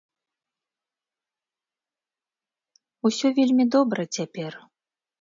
Усё вельмі добра цяпер.